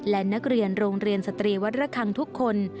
และนักเรียนโรงเรียนสตรีวัดระคังทุกคน